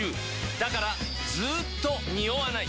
だからずーっとニオわない！